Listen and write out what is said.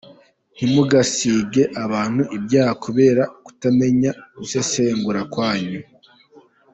Ntimugasige abantu ibyaha kubera kutamenya gusesengura kwanyu.